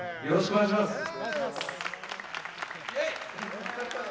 よろしくお願いします。